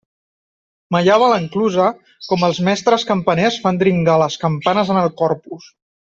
Mallava a l'enclusa com els mestres campaners fan dringar les campanes en el Corpus.